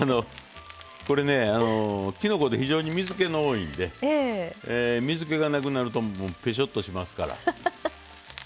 これ、きのこで非常に水けが多いんで水けがなくなるとぺしょっとしますから。